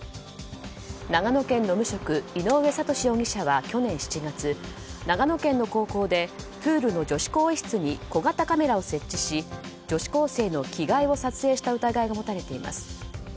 長野県の無職井上悟志容疑者は去年７月長野県の高校でプールの女子更衣室に小型カメラを設置し、女子高生の着替えを撮影した疑いが持たれています。